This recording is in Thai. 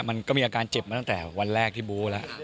มันก็มีอาการเจ็บมาตั้งแต่วันแรกที่บู้แล้ว